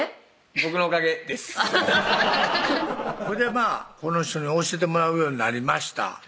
僕のおかげですほいでこの人に教えてもらうようになりました